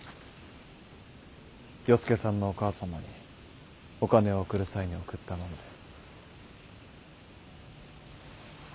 与助さんのお母様にお金を送る際に送ったものです。